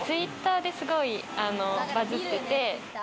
Ｔｗｉｔｔｅｒで、すごいバズってて。